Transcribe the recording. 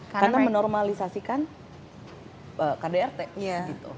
karena menormalisasikan kdrt gitu